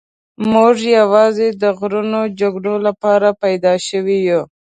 موږ یوازې د غرونو جګړو لپاره پیدا شوي یو.